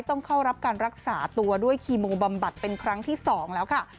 ต้องเข้ารับการรักษาตัวด้วยคีโมบำบัดเป็นครั้งที่๒แล้วค่ะ